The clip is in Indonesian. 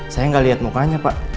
saya nggak lihat mukanya pak